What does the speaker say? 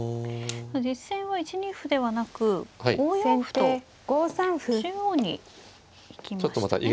実戦は１二歩ではなく５四歩と中央に行きましたね。